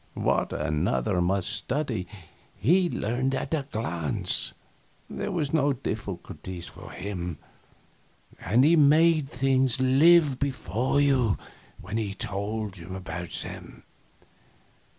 What another must study, he learned at a glance; there were no difficulties for him. And he made things live before you when he told about them.